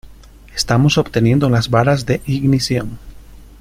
Estamos obteniendo las varas de ignición.